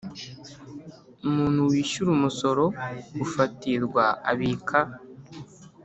Umuntu wishyura umusoro ufatirwa abika